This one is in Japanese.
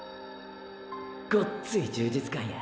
ごっつい充実感や。